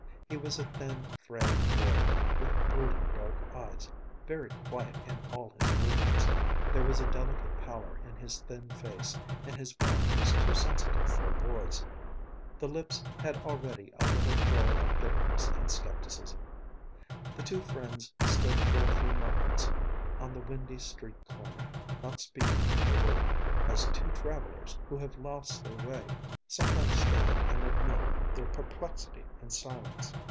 He was a thin, frail boy, with brooding dark eyes, very quiet in all his movements. There was a delicate pallor in his thin face, and his mouth was too sensitive for a boy's. The lips had already a little curl of bitterness and skepticism. The two friends stood for a few moments on the windy street corner, not speaking a word, as two travelers, who have lost their way, sometimes stand and admit their perplexity in silence.